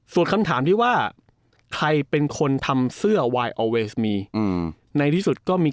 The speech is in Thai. ส่วนคำถามที่ว่าใครเป็นคนทำเสื้อวายออเวสมีในที่สุดก็มี